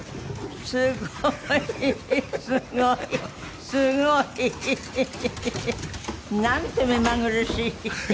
すごいすごいすごい。なんて目まぐるしい。